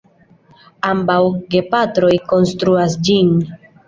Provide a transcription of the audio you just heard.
Ambaŭ gepatroj konstruas ĝin.